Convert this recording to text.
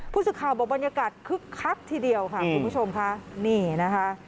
ผู้สื่อข่าวบอกบรรยากาศคึกคักทีเดียวค่ะคุณผู้ชมค่ะนี่นะคะ